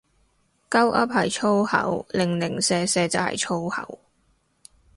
鳩噏係粗口，零零舍舍就係粗口